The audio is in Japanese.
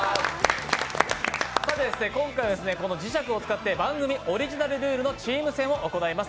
今回は、侍石を使って番組オリジナルルールで対戦します。